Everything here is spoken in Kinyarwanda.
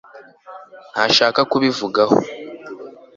ntashaka kubivugaho